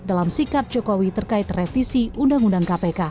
dalam sikap jokowi terkait revisi undang undang kpk